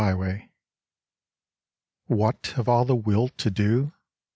34 a WHAT of all the will to do